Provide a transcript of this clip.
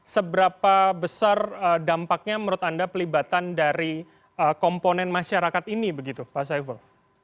seberapa besar dampaknya menurut anda pelibatan dari komponen masyarakat ini begitu pak saiful